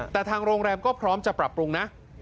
แต่ทางโรงแรมก็พร้อมจะปรับปรุงนะ